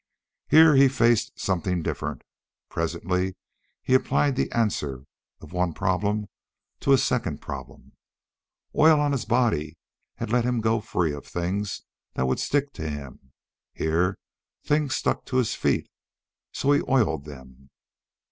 Here he faced something different. Presently he applied the answer of one problem to a second problem. Oil on his body had let him go free of things that would stick to him. Here things stuck to his feet; so he oiled them.